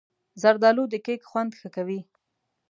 زردالو د کیک خوند ښه کوي.